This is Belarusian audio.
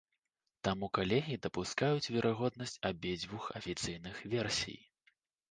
Таму калегі дапускаюць верагоднасць абедзвюх афіцыйных версій.